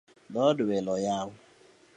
Dhood welo oyaw